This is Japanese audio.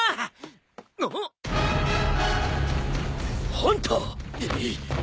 ハンター！